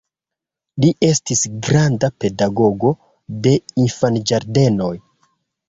Li estis granda pedagogo de infanĝardenoj.